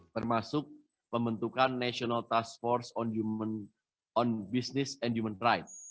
termasuk pembentukan national task force on on business and human rights